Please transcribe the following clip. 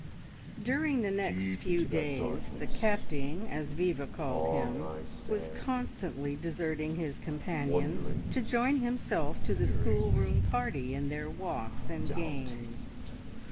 During the next few days the "Capting," as Viva called him, was constantly deserting his companions to join himself to the schoolroom party in their walks and games.